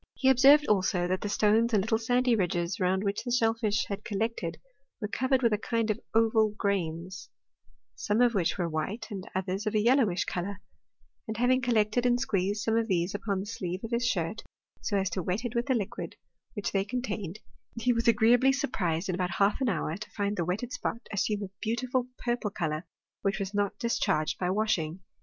He observed, also, that the stones and little sandy ridges round which the shellfish had collected were covered with a kind of oval grains, some of which were white, and others of a yellowish colour, and having collected and squeezed some of these upon the sleeve of his shirt, so as to wet it with the liquid which they con tained, he was agreeably surprised in about half an hour to find the wetted spot assume a beautiful purple colour, which was not discharged by washing.